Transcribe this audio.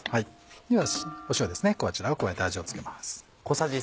では塩ですこちらを加えて味を付けます。